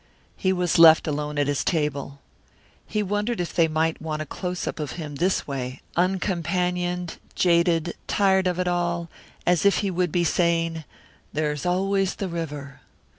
He was left alone at his table. He wondered if they might want a close up of him this way, uncompanioned, jaded, tired of it all, as if he would be saying: "There's always the river!"